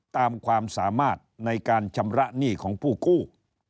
ความสามารถในการชำระหนี้ของผู้กู้